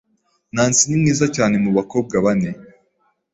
Nancy ni mwiza cyane mu bakobwa bane.